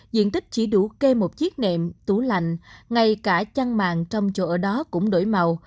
diện tích chỉ đủ kê một chiếc nệm tủ lạnh ngay cả chăn màng trong chỗ ở đó cũng đổi màu